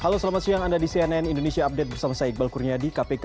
halo selamat siang anda di cnn indonesia update bersama saya iqbal kurnia di kpk